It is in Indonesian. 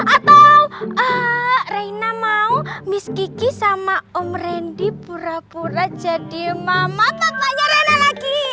atau ehh rena mau miss kiki sama om randy pura pura jadi mama papanya rena lagi